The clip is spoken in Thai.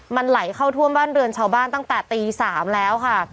มันไหลเข้าท่วมบ้านเรือนชาวบ้านตั้งแต่ตี๓แล้วค่ะ